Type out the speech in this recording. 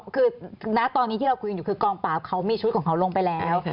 คือณตอนนี้ที่เราคุยกันอยู่คือกองปราบเขามีชุดของเขาลงไปแล้ว